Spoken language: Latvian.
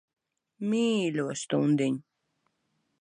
Mīļo stundiņ.